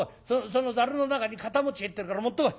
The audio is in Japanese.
そのざるの中に堅餅入ってるから持ってこい。